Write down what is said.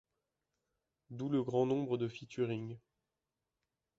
D'où le grand nombre de featurings.